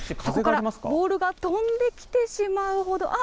そこからボールが飛んできてしまうほど。